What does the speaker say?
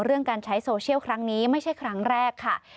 การใช้โซเชียลครั้งนี้ไม่ใช่ครั้งแรกค่ะ